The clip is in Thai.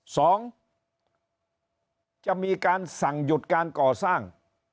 สองจะมีการสั่งหยุดการก่อสร้าง